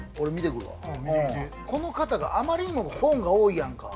この方、あまりにも本が多いやんか。